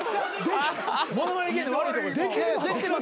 物まね芸人の悪いとこです。